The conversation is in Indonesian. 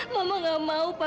mama gak mau pak